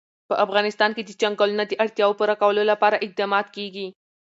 په افغانستان کې د چنګلونه د اړتیاوو پوره کولو لپاره اقدامات کېږي.